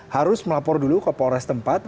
harus melapor dulu ke polres tempat